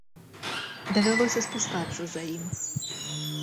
Давялося спускацца за ім.